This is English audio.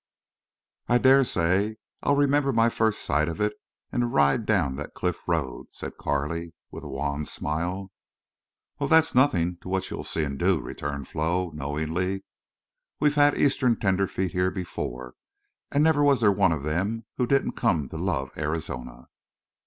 "I dare say I'll remember my first sight of it and the ride down that cliff road," said Carley, with a wan smile. "Oh, that's nothing to what you'll see and do," returned Flo, knowingly. "We've had Eastern tenderfeet here before. And never was there a one of them who didn't come to love Arizona."